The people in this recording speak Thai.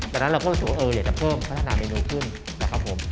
เราก็รู้สึกว่าเอออยากจะเพิ่มพัฒนาเมนูขึ้นนะครับผม